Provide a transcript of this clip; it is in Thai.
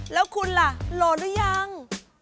แล้วคุณล่ะโหลดหรือยัง